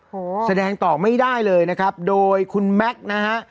โอ้โหแสดงต่อไม่ได้เลยนะครับโดยคุณแม็กซ์นะฮะ